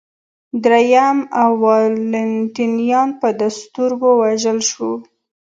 درېیم والنټینیان په دستور ووژل شو